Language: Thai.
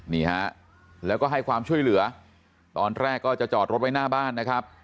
นี่ฮะแล้วก็ให้ความช่วยเหลือตอนแรกก็จะจอดรถไว้หน้าบ้านนะครับ